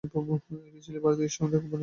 এটি ছিল ভারতে ইস্ট ইন্ডিয়া কোম্পানির সূচনা।